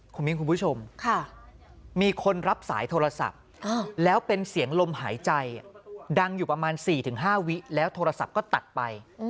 คุณมิ้นคุณผู้ชมมีคนรับสายโทรศัพท์แล้วเป็นเสียงลมหายใจดังอยู่ประมาณ๔๕วิแล้วโทรศัพท์ก็ตัดไป